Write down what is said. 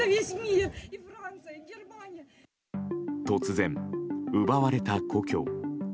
突然、奪われた故郷。